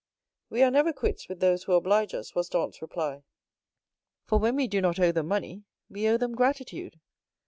"We are never quits with those who oblige us," was Dantès' reply; "for when we do not owe them money, we owe them gratitude."